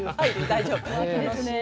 大丈夫？